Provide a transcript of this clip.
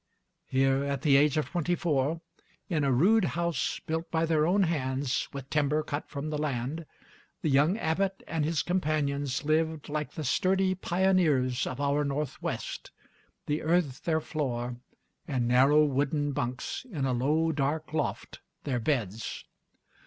Here at the age of twenty four, in a rude house built by their own hands with timber cut from the land, the young abbot and his companions lived like the sturdy pioneers of our Northwest, the earth their floor and narrow wooden bunks in a low dark loft their beds.